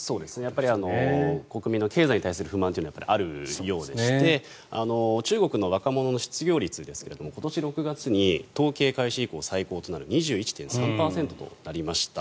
やっぱり国民の経済に対する不満というのはあるようでして中国の若者の失業率ですが今年６月に統計開始以降最高となる２１．３％となりました。